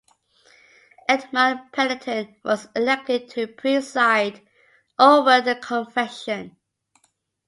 Edmund Pendleton was elected to preside over the Convention.